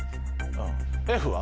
Ｆは？